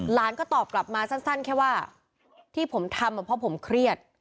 หลานก็ตอบกลับมาสั้นแค่ว่าที่ผมทำเพราะผมเครียด